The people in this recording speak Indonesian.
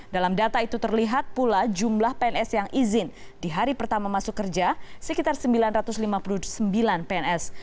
dalam data itu terlihat pula jumlah pns yang izin di hari pertama masuk kerja sekitar sembilan ratus lima puluh sembilan pns